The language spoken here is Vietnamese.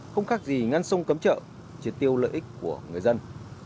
không khác gì ngăn sông cấm chợ triệt tiêu lợi ích của người dân